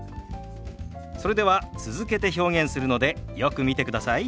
それでは続けて表現するのでよく見てください。